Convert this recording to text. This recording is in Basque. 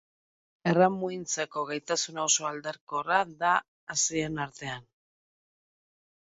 Ernamuintzeko gaitasuna oso aldakorra da hazien artean.